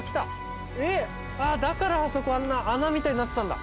えっ？あっだからあそこあんな穴みたいになってたんだ。